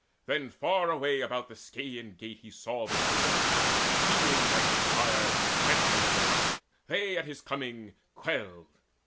Then far away about the Scaean Gate He saw the Trojans: seeming like his sire, He sped against them; they at his coming quailed.